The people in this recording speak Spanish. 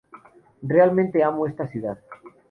Realmente amo esta ciudad.